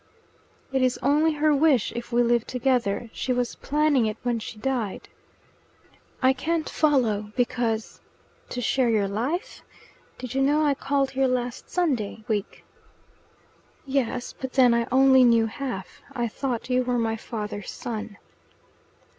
"It is only her wish if we live together. She was planning it when she died." "I can't follow because to share your life? Did you know I called here last Sunday week?" "Yes. But then I only knew half. I thought you were my father's son."